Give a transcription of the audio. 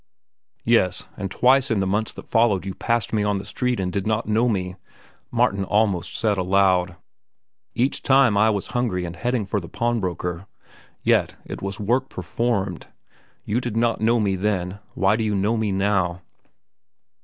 Yes, and twice in the months that followed you passed me on the street and did not know me, Martin almost said aloud. Each time I was hungry and heading for the pawnbroker. Yet it was work performed. You did not know me then. Why do you know me now?